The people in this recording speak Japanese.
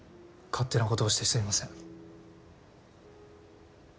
勝手なことをしてすみません。